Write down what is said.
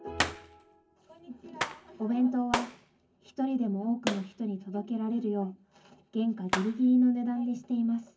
お弁当は一人でも多くの人に届けられるよう原価ぎりぎりの値段にしています。